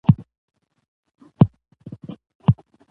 زه له خیر غوښتونکو سره یم.